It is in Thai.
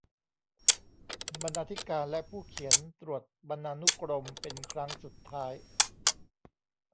บรรณาธิการและผู้เขียนตรวจบรรณานุกรมเป็นครั้งสุดท้าย